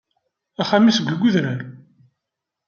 Axxam-is deg udrar.